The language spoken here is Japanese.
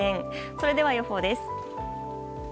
それでは予報です。